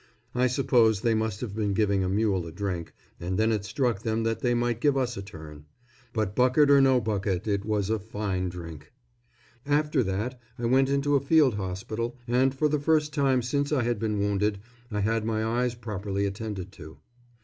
I suppose they must have been giving a mule a drink, and then it struck them that they might give us a turn. But bucket or no bucket it was a fine drink. After that I went into a field hospital, and for the first time since I had been wounded I had my eyes properly attended to.